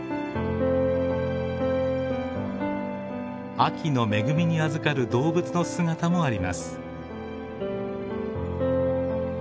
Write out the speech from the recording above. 秋の恵みにあずかる動物の姿もあります。